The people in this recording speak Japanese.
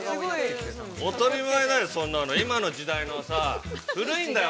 当たり前だよ、そんなの今の時代のさ、古いんだよ